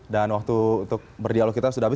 dan waktu untuk berdialog kita sudah habis